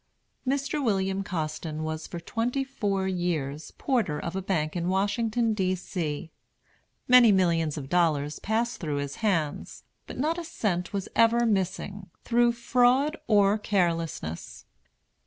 Mr. William Costin was for twenty four years porter of a bank in Washington, D. C. Many millions of dollars passed through his hands, but not a cent was ever missing, through fraud or carelessness.